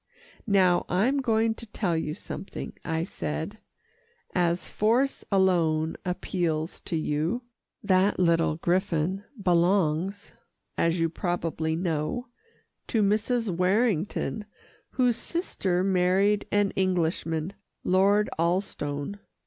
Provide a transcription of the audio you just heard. "Now I'm going to tell you something," I said, "as force alone appeals to you. That little griffon belongs, as you probably know, to Mrs. Warrington whose sister married an Englishman Lord Alstone.